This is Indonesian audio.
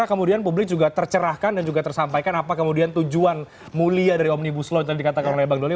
kemudian publik juga tercerahkan dan juga tersampaikan apa kemudian tujuan mulia dari omnibus law yang tadi dikatakan oleh bang doli